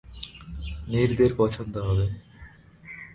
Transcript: নীরদের পছন্দ হবে!